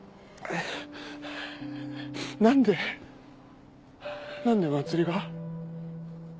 何で何で茉莉が？